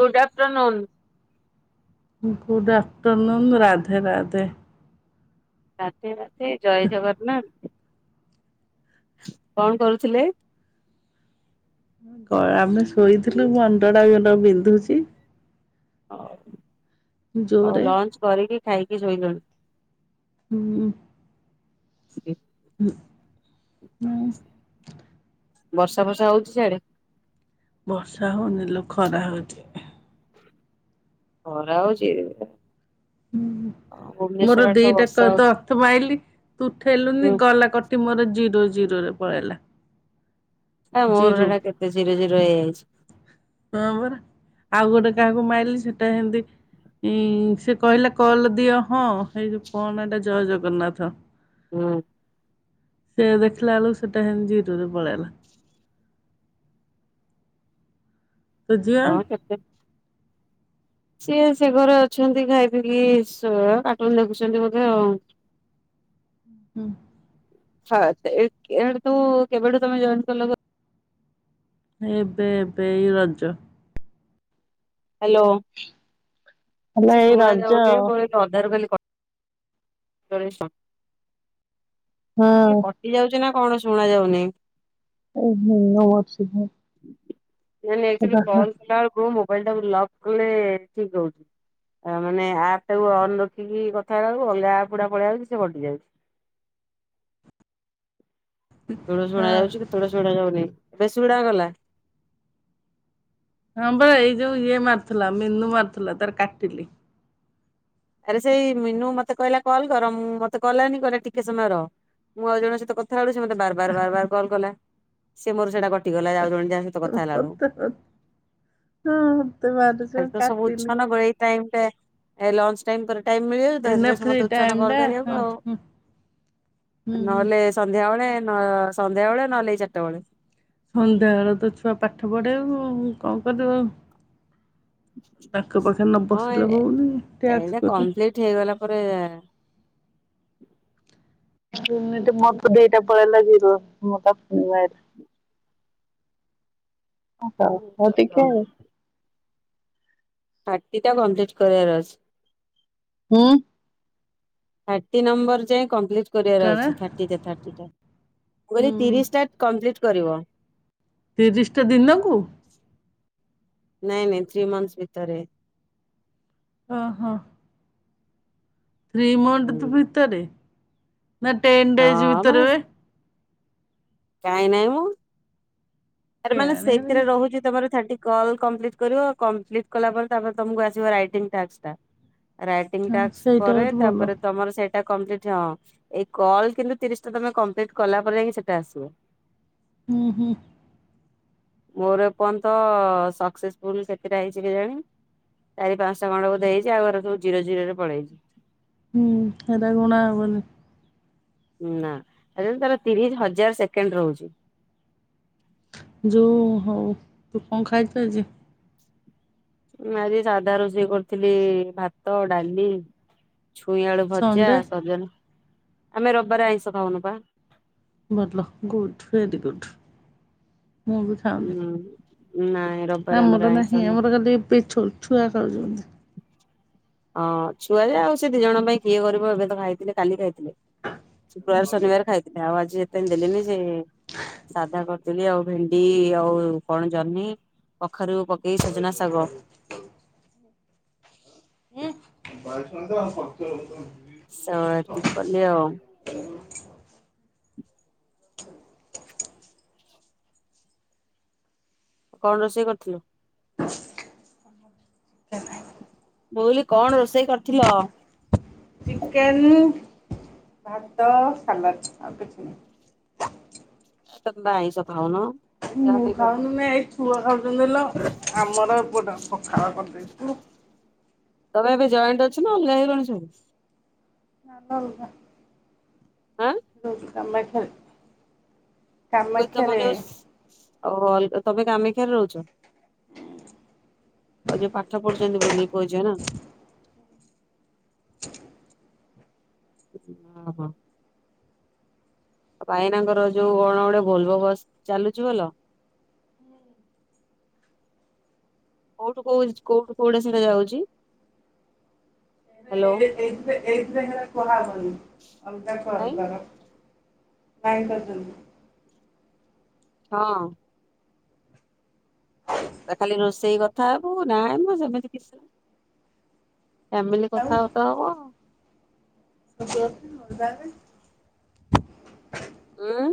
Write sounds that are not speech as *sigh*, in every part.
Good afternoon. Good afternoon Radhe Radhe. ରାତି ରାତି ଜୟ ଜଗନ୍ନାଥ। କଣ କରୁଥିଲେ? କ ଆମେ ଶୋଇଥିଲୁ ମୁଁ ଅଣ୍ଡଟା ମୋର ବିନ୍ଧୁଛି। ହଉ ଆଉ ଜୋରେ। ଲଞ୍ଚ କରିକି ଖାଇକି ଶୋଇଲଣି। ହୁଁ। ସେ ହଁ। ବର୍ଷା ଫର୍ଷା ହଉଛି ସିଆଡେ? ବର୍ଷା ହଉନି ଲୋକ ଖରା ହଉଛି। ଖରା ହଉଛି। ଭୁବନେଶ୍ୱର ମୋର ଆଡେ ତ ଦିଟା ବର୍ଷା କ ତ ହଉଛି ଅର୍ଥ ପାଇଲି ତୁ ଉଠେଇଲୁନି ହୁଁ ଗଲା କ ମର ଜିରୋ ଜିରୋ ରେ ପଳେଇଲା। ଆ ମୋର ଜିରୋ ଏଟା କେତେ ଶିରଝିର ହେଇଯାଇଛି। ହଁ ପରା ଆଉ ଗୋଟେ କାହାକୁ ମାଇଲି ସେଟା ଏମତି କହିଲେ କଲ ଦିଅ ହଁ ଏଇ ଯୋ କଣ ଏଇଟା ଜୟ ଜଗନ୍ନାଥ। ହଁ। ସେ ଦେଖିଲା ବେଳ ସେଟା ହେ ଜିରରେ ପଳେଇଲା। ତୋ ହଁ କେ ଝିଅ? ସିଏ ସେ ଘରେ ଅଛନ୍ତି ଖାଇ ପିି କାଟୁନ ଦେଖୁଛନ୍ତି ବୋଧେ ଆଉ। ହୁଁ। ହଁ ଆଛା ତୁ କେବେଠୁ ତମେ ଜଏନ୍ କଲ? ଏବେ ଏବେ ଏଇ ରଜ। ହ୍ୟାଲୋ। ହେଲା କିଛି ଏଇ ଶୁଣା ରଜ ଯାଉନିଁ ଅଧାର କାଲି *unintelligible* ହଁ। କଟି ଯାଉଛି ନା କଣ ଶୁଣା ଯାଉନି। ଓ ହୁଁ *unintelligible* ଯାହିଥିଲୁ କଲ କଲା ବେଳୁକୁ ମୋବାଇଲି ଟାକୁ ଲକ କହିଲେ ଠିକ ହଉଛି ମାନେ ଆପ୍ ଟାକୁ ଅନ୍ ରଖିକି କଥା ହେବାକୁ ଅଲଗା ଆପ ବୁଡା ପଲେଇଆଉଛି ଯାଉ ସେ ଘଟି ଯାଉଛି। କେତେବେଳେ ଶୁଣା ଯାଉଛି ହଁ କେତେବେଳେ ଶୁଣା ଯାଉନି ବେଶୀ ଗୁଡାଗଲା। ହଁ ପରା ଏଇ ଯୋଉ ଇଏ ମାରିଥିଲା ମିନୁ ମାରିଥିଲା ତାର କାଟିଲି ଆରେ ସେଇ ମିନୁ ମତେ କହିଲା କଲ୍ କର ମୁଁ ମତେ କଲାନି କହିଲା ଟିକେ ସମୟରହ ମୁଁ ଆଉ ଜଣଙ୍କ ସହିତ ବେଳୁ ସେତେ ବାର ବାର ବାର କଲ କଲା ସିଏ ମୋର ସେଟା କଟି ଗଲା ଯାଉ ଜଣ ଯାହା ସହିତ କଥା ହେଲା ବେଳକୁ ମତେ ମତେ ମାରୁଚୁ ଖାଲି ତ ସବୁ କାଟିଲି। ଉଛନ ଏଇ ଟାଇମ ଟା ଲଞ୍ଚ ଟାଇମ ପରେ ଟାଇମ ମିଳିଗଲା ତ ଏଇନା ସେଥିପାଇଁ ଫ୍ରି ସମସ୍ତେ ଉଚ୍ଚ ଟାଇମ୍ କଲ ଟା ହଁ କରିହେବ ଆଉ ହୁଁ ହୁଁ। ନହେଲେ ସନ୍ଧ୍ୟାବେଳେ ନ ସନ୍ଧ୍ୟାବେଳେ ନହେଲେ ଚାରିଟା ବେଳେ। ସନ୍ଧ୍ୟାବେଳେ ତ ଛୁଆ ପାଠ ପଢେଆକୁ କଣ କରିବୁ ଆଉ? ତାଙ୍କ ପାଖେ ନ ବସିଲେ ହଉନି ଟ୍ୟାସ୍କ କରି ସେଠି ହେଇଗଲା ପରେ ମତେ ଦିଟା ପଳେଇ ଆସିଲା *unintelligible* ଓହୋ ଆଉ ଟିକେ ଥାଟିଟା କମ୍ପଲିଟ କରିବାର ଅଛି। ହୁଁ। ଥାର୍ଟି ନମ୍ବର ଯାଏ କମ୍ପ୍ଲିଟ କରିବାର କଣ ଅଛି ଥାଟି ଟା ଥାଟି ଟା ମୁ କହିଲି ହୁଁ। ତିରିସ୍ ଟା କମ୍ପ୍ଲିଟ୍ କରିବ। ତିରିଶି ଟା ଦିନକୁ? ନାଇଁ ନାଇଁ ଥ୍ରୀମଁଥ୍ସ ଭିତରେ। ଓହୋ ଥ୍ରୀ ମନ୍ଥ ହୁଁ। ଭିତରେ ନା ଟେନ୍ ଡେଜ୍ ହଁ ମାନେ ଭିତରେ ବେ କାଇଁ ନାଇଁ ମ ଆରେ ମାନେ କେଆଣି ହେରା ସେଇଥିରେ ଯା ରହୁଛି ତମର ଥାର୍ଟି କଲ କମ୍ଲିଟି କରିବ କମ୍ପ୍ଲିଟ କଲା ପରେ ତାପରେ ତମକୁ ଆସିବ ରାଇଟିଙ୍ଗ ଟାସ୍କ ଟା। ରାଇଟିଂ ହଁ ଟାକ୍ସ ସେଇଟା ପରେ ଗୋଟେ ଭଲ ତାପରେ ତମର ସେ ଟା କମ୍ପ୍ଲିଟ ହଁ ଏଇ କଲ୍ କିନ୍ତୁ ତିରିଶ ଟା ତମେ କମ୍ପ୍ଲିଟ୍ କଲା ପରେ ଯାଇକି ସେଟା ଆସ *unintelligible* ହୁଁ ହୁଁ। ମୋର ଏ ପର୍ଯ୍ୟନ୍ତ ସକ୍ସେସଫୁଲ କେଥିଟା ହେଇଛି କେଜାଣି? ଚାରି ପାଞ୍ଚଟା ଖଣ୍ଡେ ବଧେ ହେଇଛି ଆଉ ଏରା ସବୁର ଜ଼ୀରୋ ଜ଼ୀରୋ ପଳେଇଛି ହୁଁ ଏଟା ଗଣା ହବନୀ ନା ତାର ତିରିଶ ହଜାର ସେକେଣ୍ଡ ରହୁଛି। ଯଉ ହଉ ତୁ କଣ ଖାଇଛୁ ଆଜି? ମୁଁ ଆଜି ସାଧା ରୋଷେଇ କରିଥିଲି ଭାତ ଡାଲି ଛୁଇଁ ଆଳୁ ଭଜା ସଣ୍ଡେ ସଜନ ଆମେ ରବିବାର ଆଇଁଷ ଖାଉନୁ ପା ବତଲ ଗୁଡ଼୍ ଭେରି ଗୁଡ଼ ମୁଁ ବି ଖାଇନି ଉଁ ନାଇଁ ରବିବାରେ ଆମର ଆଇଁଷ ନାହିଁ ନୁହଁ ଆମର ଖାଲି *unintelligible* ଛୁଆ ଖାଉଛନ୍ତି। ହଁ ଛୁଆ ଯୋ ଆଉ ସେ ଦି ଜଣ ପାଇଁ କିଏ କରିବ ଏବେ ତ ଖାଇଥିଲେ କାଲି ଖାଇଥିଲେ। ଶୁକ୍ରବାର ଶନିବାର ଖାଇଥିଲେ ଆଜିପା ଦେଲେନି ଯେ ସାଧା କରିଥିଲି ଆଉ ଭେଣ୍ଡି ଆଉ କଣ ଜହ୍ନି କଖାରୁ ପକେଇ ସଜନା ସାଗ ବାଇଗଣ ତ ଆଉ ସନ୍ତୁଳା ସତିି କଲ ଆଉ କଣ ରୋଷେଇ କରିଥିଲୁ? ମୁଁ କହିଲି କଣ ରୋଷେଇ କରିଥିଲ? ଚିକେନ ଭାତ ସାଲାଟ୍ ଆଉ କିଛି ନାହିଁ। ତମେ ପା ଆଇଁସ ଖାଉନ କାହା ମୁଁ ପାଇଁ କଲ ଖାଉନି ନା ଏଇ ଛୁଆ ଖାଉଛନ୍ତି ହେଲ ଆମର ପୋଟେ ପଖାଳ କରିଦେଇଥୁ ତମେ ଏବେ ଜଏଣ୍ଟ ଅଛ ନା ଅଲଗା ହେଇଗଲଣି ସବୁ? *unintelligible* ଆଁ କାମାକ୍ଷାରେ କାମାକ୍ଷାରେ। ଓ ତମେ କାମାକ୍ଷାରେ ରହୁଛ? ଆଉ ଯୋଉ ପାଠ ପଢୁଛନ୍ତି ବୋଲି ପୁଅ ଝିଅ ନା? ଓ ହ। ଆଉ ଭାଇନାଙ୍କର ଯୋଉ କଣ ଗୋଟେ ଭୋଲଭୋ ବସ ଚାଲୁଛି ଭଲ? ହୁଁ। କୋଉଠୁ କୋଉ କୋଉଠୁ କୋଆଡ଼ା ସିଆଡେ ଯାଉଛି? ସେ ହ୍ୟାଲୋ ଏନ୍ ଏଇଥିରେ ଏଇଥିରେ ହେଇଡ଼ା କୁହା ହବନି ଅଲଗା କଲ୍ କାଇଁ କର? କାଇଁ କରୁଛନ୍ତି? ହଁ। ଖାଲି ରୋଷେଇ କଥା ହବୁ ନା ମୁ ସେମିତି କିଛି ଫ୍ୟାମିଲି ଆଉ କଥା ହବ। ହଁ। *inaudible* ଉଁ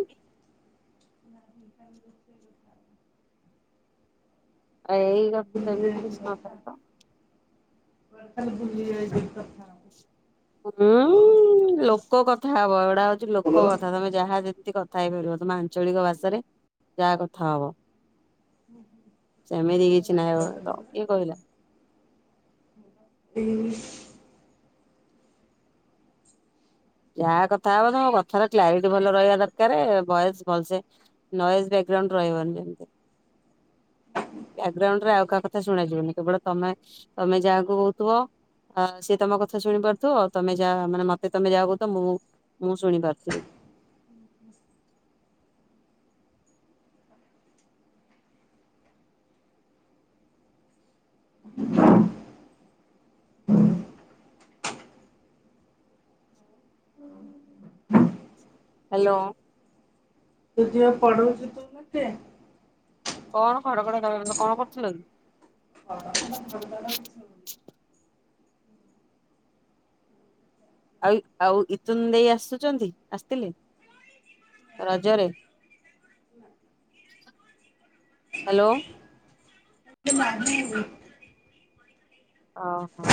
*inaudible* ଆଉ ଏଇ କ ବୁଲି ସେମିତି କିଛି ନଥାଏ ତ? କୁଆଡ଼େ ଖାଲି ବୁଲି ଯାଇଥିଲି କଥା? ହୁଁ ଲୋକ କଥା ହବ ଏଇଡ଼ା ହଉଛି ଲୋକ କଥା ତମେ ଯାହା ଯେମତି କ କଥା ହେଇପାରିବ ତମେ ଆଞ୍ଚଳିକ ଭାଷାରେ ଯାହା କଥା ହବ। ସେମିତି କିଛି ନାଇଁ ବ ତମକୁ କିଏ କହିଲା? ଏଇ ଯାହା କଥା ହବ ତ କଥା ର କ୍ଲାରିଟି ଭଲ ରହିବା ଦରକାର ବାସ୍ ଭଲସେ ନଏଜ ବ୍ୟାଗ୍ରାଉଣ୍ଡ ରହିବନି ଯେମିତି। ବ୍ୟାଗ୍ରାଉଣ୍ଡ ରେ ଆଉ କାହା କଥା ଶୁଣାଯିବନି କେବଳ ତମେ ତମେ ଯାହାକୁ କହୁଥିବ। ଆ ସେ ତମ କଥା ଶୁଣିପାରୁଥିବ ଆଉ ତମେ ଯା ମାନେ ମତେ ତମେ ଯାହା କହୁ ତ ମୁଁ ମୁଁ ଶୁଣିପାରୁଥିବି? ହ୍ୟାଲୋ। ତୁ ଯୋଉ *unintelligible* ତୁ ନଥାଏ। କଣ ଘଡ ଘଡ କଣ କଣ କରୁଥିଲ କି? ହଁ *unintelligible* ଆଉ ଆଉ ଇଥୁନ ଦେଇ ଆସୁଛନ୍ତି ଆସିଥିଲେ? ରଜରେ ହ୍ୟାଲୋ। ବା ଓ ହୋ।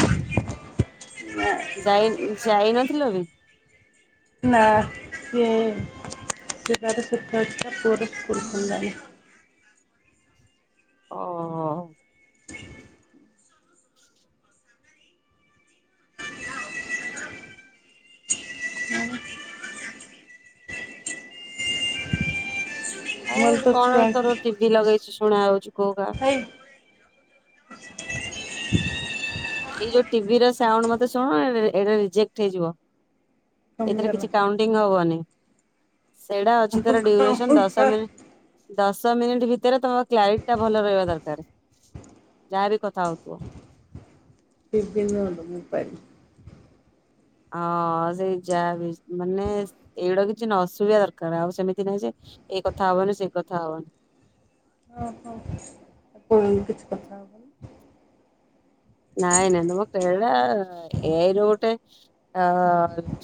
ଯାଇ ଯାଇନଥିଲ କି? ନା ସିଏ *unintelligible* ସ୍କୁଲ୍ ଖୋଲିଲାଣି। ଓହୋ। ଆଉ ମୋର ତ ଆଜି କଣ ଛୁଆ ତୋର ଟିଭି ଲଗେଇଛୁ ଶୁଣା ଯାଉଛି ଘୋ ଘା? ହ ଏଇ ଯୋଉ ଟିଭି ର ସାଉଣ୍ଡ ମତେ ଶୁଣା ଯାଉଛି ଏଇଟା ରିଜେକ୍ଟ ହେଇଯିବ। ଏଥିରେ କମିଗଲା। କିଛି କାଉଣ୍ଟିଙ୍ଗ ହବନି ସେଇଟା ଅଛି ତାର ଡିରେସନ ଦଶ ମିନିଟ। ଦଶ ମିନିଟ୍ ଭିତରେ ତମ କ୍ଲାରିଟି ଟା ଭଲ ରହିବା ଦରକାର। ଯାହାବି କଥା ହଉଥିବ? *inaudible* ହଁ ସେଇ ଯାହା ବି ମାନେ ଏଇଗୁଡା କିଛି ନଶୁଭିବା ଦରକାର ଆଉ ସେମିତି ନାହିଁ ଯେ ଏ କଥା ହବାନି ସେ କଥା ହବାନି। ଓ ହୋ କୋଉ କିଛି କଥା। ଆଉ ନାଇ ନାଇ ନମ କ ଏଇରା ଏଇରେ ଗୋଟେ। ଆ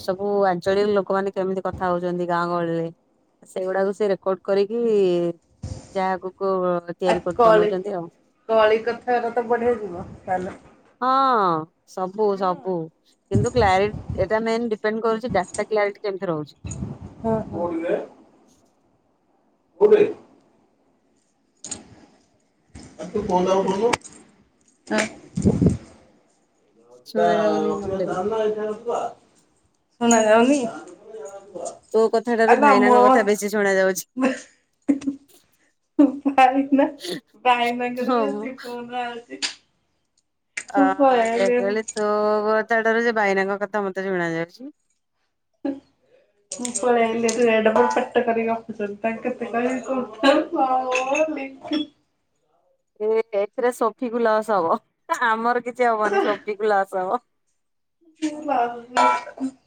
ସବୁ ଆଞ୍ଚଳିକ ଲୋକମାନେ କେମିତି କଥା ହଉଛନ୍ତି ଗାଁ ଗହଳିରେ। ସେଇଗୁଡାକୁ ସେ ରେକର୍ଡ କରିକି ଯାହା ଆଗକୁ ଆ କଳି କଳି କଥାର ତ ବଢିଆ ଯିବ ତାଲ ହଁ ସବୁ ସବୁ। କିନ୍ତୁ କ୍ଲାରି ଏଟା ମେନ୍ ଡିପେଣ୍ଡ କରୁଛି ଡାଟା କ୍ଲାରିଟି କେମିତି ରହୁଛି। ଓହୋ। କୋଉଠି? ଆ ତୁ ଫୋନ ଟା ଉଠଉନୁ। ଯାଉନି ଶୁଣା ମତେ ବି ଯାଉନି। ଆରେ ନା ମୋର ତୋ କଥାଟାରୁ ହିଁ ଭାଇନାଙ୍କ କଥା ବେଶୀ ହିଁ। ଶୁଣା ଯାଉଛି ହୁଁ ଭାଇନା ଭାଇନାଙ୍କର ବେଶୀ ହଁ ମୁଁ ଫୋନ ଆଉଚି। ଆ ସେୟା କହିଲି ତୋ କଥା ଠାରୁ ସେ ଭାଇନାଙ୍କ କଥା ମତେ ଶୁଣା ଯାଉଛି। ହୁଁ ମୁଁ ପଳେଇ ଆଈଲି ସେଠୁ ଏ ଡବଲ ପାଟ କରିକି ଗପୁଛନ୍ତି ତାଙ୍କେ କେତେ କହିବି କଉ *unintelligible* ୱାଓ ନିକି ଏ ଏଥିରେ ସୋଫି କୁ ଲସ ହବ ଆମର କିଛି ହବନି ସୋଫି କୁ ଲସ ହବ। *unintelligible*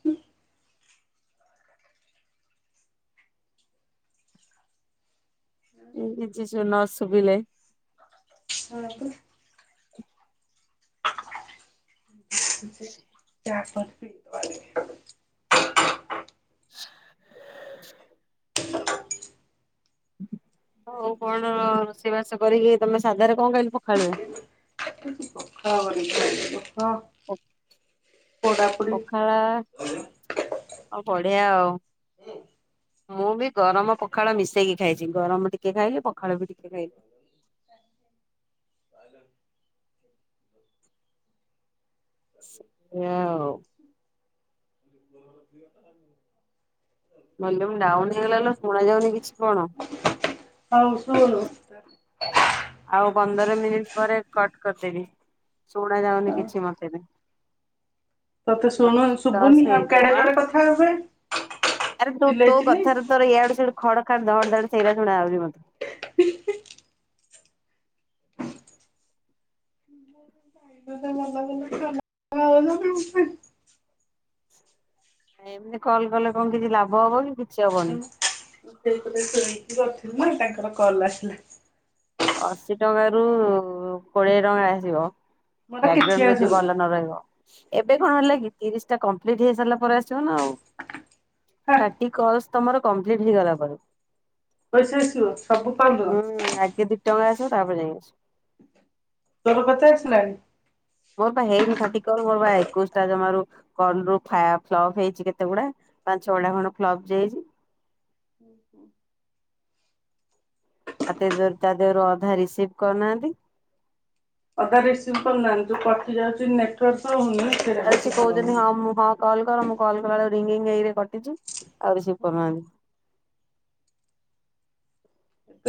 ଏ କିଛି ଶୁ ନ ଶୁଭିଲେ। ହଁ କି। ମୁଁ ସେ ଚା ପତି *unintelligible* ଆଉ କଣ ରୋଷେଇ ବାସ କରିକି ତମେ ସାଧାରେ କଣ ଖାଇଲ ପଖାଳରେ? ଆଜି ପଖାଳ କରିକି ଖାଇଲି ପଖ ପଖାଳ। ହ ଆଉ ବଢିଆ ଆଉ। ଉଁ। ମୁଁ ବି ଗରମ ପଖାଳ ମିଶେଇକି ଖାଇଛି ଗରମ ଟିକେ ଖାଇଲି ପଖାଳ ବି ଟିକେ ଖାଇଲି। ପାଇଲା। ସେୟା ଆଉ। ସେମିତି ତୋର ଝିଅ *unintelligible* ଭଲ୍ୟୁମ ଡାଉନ ହେଇଗଲା ଲୋ ଶୁଣା ଯାଉନି କିଛି କଣ? ହଉ ଶୁଣୁ। ସାତ। ଆଉ ପନ୍ଦର ମିନିଟ ପରେ କଟ କରିଦେବି ଶୁଣା ଯାଉନି ଆଉ କିଛି ମତେ ବି। ତତେ ଶୁଣୁ ଦଶ ଦଶ ଶୁଭୁନି ଆଉ ହେଇଯାଉ କେଡେ ଆଁ। ଜୋରେ କଥା ହେବେ। ଆରେ ତୁ ତୋ ଚିଲେଇ ଚିଲେଇ। କଥାରେ ତୋର ଇଆଡେ ସିଆଡ଼େ ଖଡ ଖାଡ ଧଡ ଧାଡ ସେଇରା ଶୁଣା ହଉଛି ମୋତେ। ହି ହି। *unintelligible* ଆଁ ଏମିତି କଲ୍ କଲେ କଣ କିଛି ଲାଭ ହବ କି କିଛି ହବନି? ମୁଁ ସେଇପଟେ ଶୋଇକି କରିଥିଲି ମୁଇଁ ତାଙ୍କର କଲ୍ ଆସିଲା। ଅଶୀ ଟଙ୍କା ରୁ କୋଡିଏ ଟଙ୍କା ଆସିବ। ମୋର କିଛି ବ୍ୟାଗ୍ରାଉଣ୍ଡ ଯଦି ଆସୁନି ଭଲ ନ ରହିବ। ଏବେ କଣ ହେଲା କି ତିରିଶ ଟା କମ୍ପ୍ଲିଟ ହେଇ ସାରିଲା ପରେ ଆସିବ ନା ଆଉ। ହା ଥାଟି କଲ୍ସ ତମର କମ୍ପଲିଟ ହେଇଗଲା ପରେ। ପଇସା ଆସିବ ସବୁ ପାଉଲର। ହୁଁ ଆଗେ ଦି ଟଙ୍କା ଆସିବ ତାପରେ ଯାଇଁ ଆସ ତୋର କେତେ ଆସିଲାଣି? ମୋର ପା ହେଇନି ଥାଟି କଲ୍ ମୋର ବା ଏକୋଇଶ ଟା ଜମାରୁ କଲ୍ ରୁ ଫା ଫ୍ଲପ ହେଇଛି କେତେ ଗୁଡା। ପାଞ୍ଚ ଛ ଟା ଖଣ୍ଡେ ଫ୍ଲପ ଯାଇଛି। ହୁଁ ହୁଁ। ଆଉ *unintelligible* ତା ଦେହର ଅଧା ରିସିଭ କରୁନାହାନ୍ତି। ଅଧା ରିସିଭ କରୁନାହାନ୍ତି ଯୋଉ କଟି ଯାଉଛି ନେଟୱାର୍କ ରହୁନି *unintelligible* ଆରେ ସିଏ ପ୍ରୋବ୍ଲେମ୍ କହୁଛନ୍ତି ହଁ ହଉଛି। ମୁ ହଁ କଲ କର ମୁ କଲ କଲା ବେଲକୁ ରିଙ୍ଗ ରିଙ୍ଗ ହେଇକରି କଟୁଛି ଆଉ ରିସିଭ୍ କରୁନାହାନ୍ତି।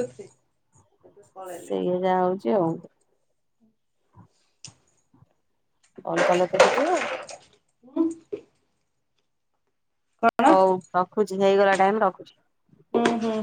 ଏବେ ଏବେ ପଳେଇଲେ। ଯା ହଉଛି ଆଉ କଲ କଲେ ତ ସେ ଯିବ। ହୁଁ। ହଉ ରଖୁଛି ହେଇଗଲା ଟାଇମ ରଖୁଛି। ହୁଁ ହୁଁ।